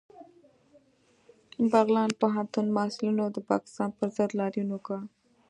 بغلان پوهنتون محصلینو د پاکستان پر ضد لاریون وکړ